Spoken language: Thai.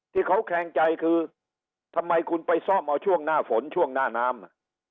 ที่เขาแคลงใจคือทำไมคุณไปซ่อมเอาช่วงหน้าฝนช่วงหน้าน้ำ